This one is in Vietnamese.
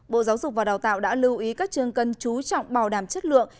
bộ giáo dục và đào tạo đã lưu ý các trường cần chú trọng bảo đảm chất lượng